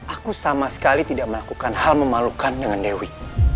aku sama sekali tidak melakukan hal memalukan dengan dewi